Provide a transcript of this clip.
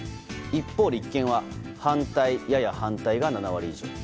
一方、立憲は反対、やや反対が７割以上。